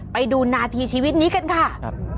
ไปดูนาทีชีวิตนี้กันค่ะ